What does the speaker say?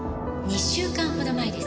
２週間ほど前です。